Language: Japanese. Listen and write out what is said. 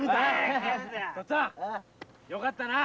よかったな！